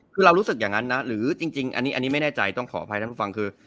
คือเรารู้สึกอย่างนั้นนะหรือจริงอันนี้ไม่แน่ใจต้องขออภัยท่านผู้ฟังคือ